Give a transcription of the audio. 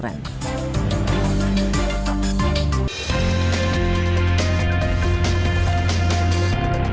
terima kasih pak